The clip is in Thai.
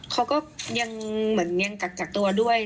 แต่ก็โอเคก็เข้าไปกอดได้